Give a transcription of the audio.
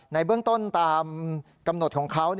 ในเบื้องต้นตามกำหนดของเขา